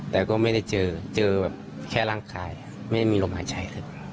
แต่ก็ไม่ได้เจอแค่ร่างกายไม่มีลมหาชัย